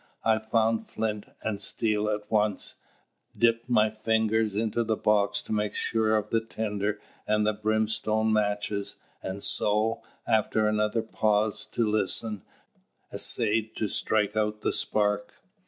I found flint and steel at once, dipped my fingers into the box to make sure of the tinder and the brimstone matches, and so, after another pause to listen, essayed to strike out the spark.